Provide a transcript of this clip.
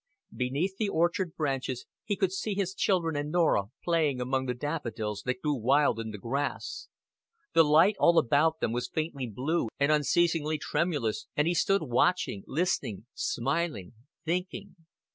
Beneath the orchard branches he could see his children and Norah playing among the daffodils that grew wild in the grass; the light all about them was faintly blue and unceasingly tremulous and he stood watching, listening, smiling, thinking.